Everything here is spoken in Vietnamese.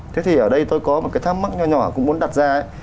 thế thì ở đây tôi có một cái thắc mắc nhỏ nhỏ cũng muốn đặt ra ấy